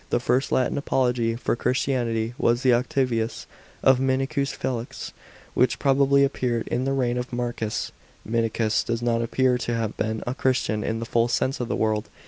The first Latin apology for Christianity was the Octavius of Minucius Felix, which probably appeared in the reign of Marcus. Minucius does not appear to have been a Christian in the full sense of the word.